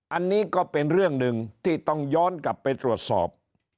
อันนี้ก็เป็นเรื่องหนึ่งที่ต้องย้อนกลับไปตรวจสอบ